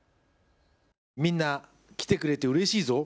みんな来てくれてうれしいぞ。